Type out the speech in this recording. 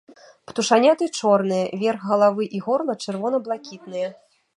Птушаняты чорныя, верх галавы і горла чырвона-блакітныя.